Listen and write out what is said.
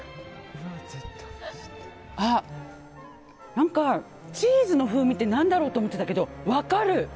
何か、チーズの風味って何だろうって思ってたけど分かる！